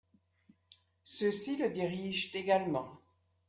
Ceux-ci le dirigent également.